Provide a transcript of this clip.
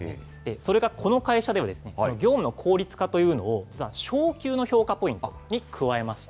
それがこの会社では、業務の効率化というのを、実は昇給の評価ポイントに加えました。